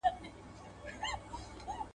د پردیو خلوتونو په تیارو کي به ښخیږي !.